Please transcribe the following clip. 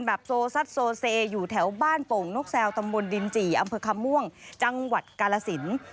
โซซัดโซเซอยู่แถวบ้านโป่งนกแซวตำบลดินจี่อำเภอคำม่วงจังหวัดกาลสิน